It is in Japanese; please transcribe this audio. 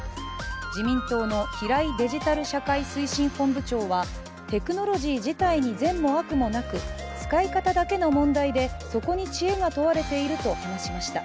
自民党の平井デジタル社会推進本部長はテクノロジー自体に善も悪もなく使い方だけの問題でそこに知恵が問われていると話しました。